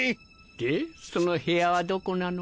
でその部屋はどこなの？